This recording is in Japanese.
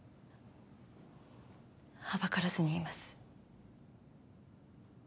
はばからずに言います。